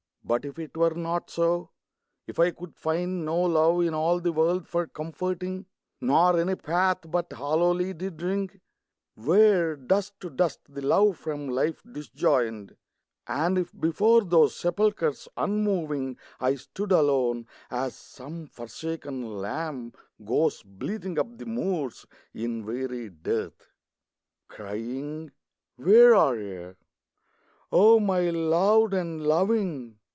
But if it were not so, — if I could find No love in all the world for comforting, Nor any path but hollowly did ring, Where "dust to dust"the love from life disjoined And if before those sepulchres unmoving I stood alone (as some forsaken lamb Goes bleating up the moors in weary dearth), Crying, " Where are ye, O my loved and loving?"